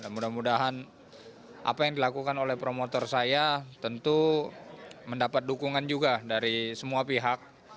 mudah mudahan apa yang dilakukan oleh promotor saya tentu mendapat dukungan juga dari semua pihak